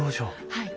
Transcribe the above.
はい。